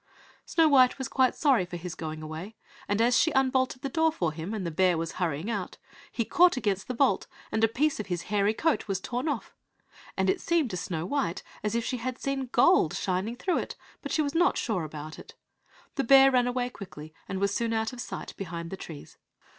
Snow white was quite sorry for his going away, and as she unbolted the door for him, and the bear was hurrying out, he caught against the bolt and a piece of his hairy coat was torn off, and it seemed to Snow white as if she had seen gold shining through it, but she was not sure about it. The bear ran away quickly, and was soon out of sight behind the trees.